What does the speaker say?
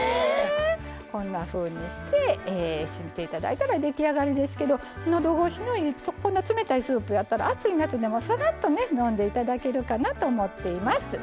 こんなふうにしていただいたら出来上がりですけどのどごしのいい冷たいスープやったら暑い夏でもさらっと飲んでいただけるかなと思っています。